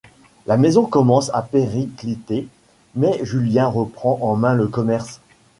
La maison commence à péricliter, mais Julien reprend en main le commerce.